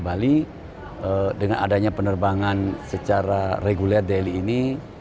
bali dengan adanya penerbangan secara reguler daily ini